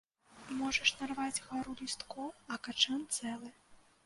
Можаш нарваць гару лісткоў, а качан цэлы.